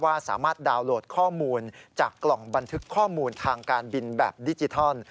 สามารถดาวน์โหลดข้อมูลจากกล่องบันทึกข้อมูลทางการบินแบบดิจิทัล